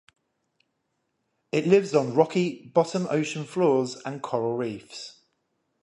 It lives on rocky bottom ocean floors and coral reefs.